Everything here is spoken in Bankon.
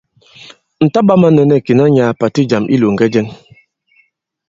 Ŋ̀ taɓā mānɛ̄nɛ̂k ìnà nyàà pàti ì jàm i ilōŋgɛ jɛŋ.